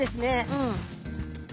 うん。